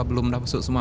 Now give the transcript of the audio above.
belum masuk semua